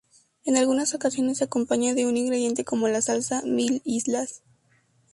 En algunas ocasiones se acompaña de un ingrediente como la salsa Mil Islas.